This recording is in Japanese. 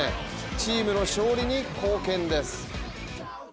チームの勝利に貢献です。